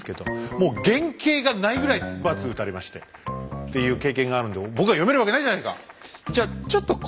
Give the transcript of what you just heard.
もう原型がないぐらいバツ打たれましてっていう経験があるんで僕が詠めるわけないじゃないか！